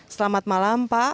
selamat malam pak